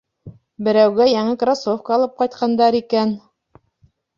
Берәүгә яңы кроссовка алып ҡайтҡандар икән.